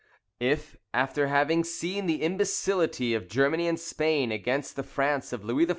] If, after having seen the imbecility of Germany and Spain against the France of Louis XIV.